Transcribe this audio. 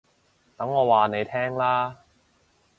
等我話你聽啦